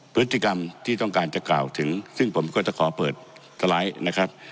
พฤติกรรมที่ต้องการจะกล่าวถึงซึ่งผมก็จะขอเปิดสไลด์นะครับ